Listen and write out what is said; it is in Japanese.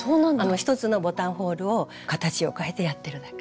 １つのボタンホールを形を変えてやってるだけ。